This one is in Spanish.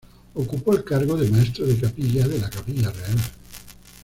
Ocupó el cargo de maestro de capilla de la Capilla Real.